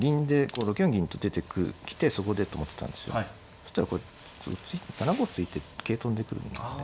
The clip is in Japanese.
そしたらこれ７五歩突いて桂跳んでくるんだね。